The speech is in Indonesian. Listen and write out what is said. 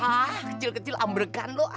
ah kecil kecil ambrekan loh